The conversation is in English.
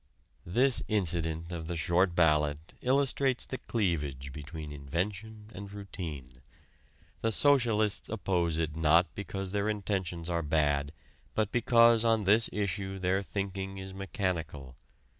This incident of the "short ballot" illustrates the cleavage between invention and routine. The socialists oppose it not because their intentions are bad but because on this issue their thinking is mechanical.